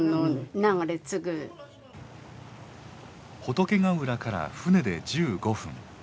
仏ヶ浦から船で１５分